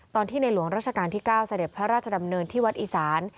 ในหลวงราชการที่๙เสด็จพระราชดำเนินที่วัดอีสาน